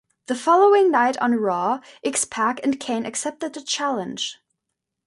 The following night on "Raw", X-Pac and Kane accepted the challenge.